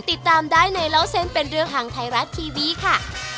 ติดตามได้ในเล่าเส้นเป็นเรื่องทางไทยรัฐทีวีค่ะ